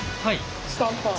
スタンパー。